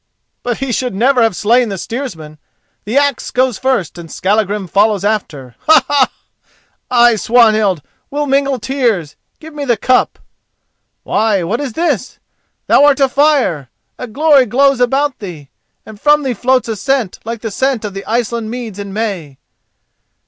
But he should never have slain the steersman. The axe goes first and Skallagrim follows after. Ha, ha! Ay, Swanhild, we'll mingle tears. Give me the cup. Why, what is this? Thou art afire, a glory glows about thee, and from thee floats a scent like the scent of the Iceland meads in May."